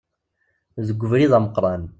Deg ubrid ameqqran.